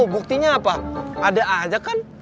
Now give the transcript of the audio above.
buktinya apa ada aja kan